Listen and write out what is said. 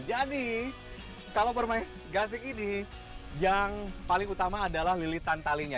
jadi kalau bermain gasing ini yang paling utama adalah lilitan talinya